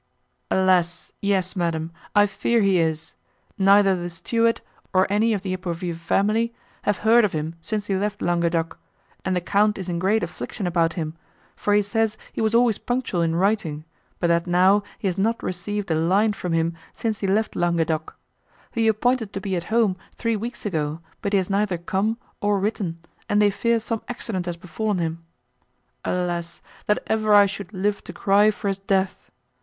"Alas! yes, madam, I fear he is! neither the steward, nor any of the Epourville family, have heard of him since he left Languedoc, and the Count is in great affliction about him, for he says he was always punctual in writing, but that now he has not received a line from him, since he left Languedoc; he appointed to be at home, three weeks ago, but he has neither come, nor written, and they fear some accident has befallen him. Alas! that ever I should live to cry for his death!